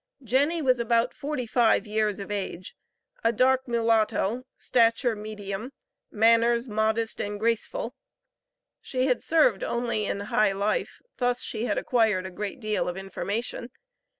Jenny was about forty five years of age, a dark mulatto, stature medium, manners modest and graceful; she had served only in high life; thus she had acquired a great deal of information.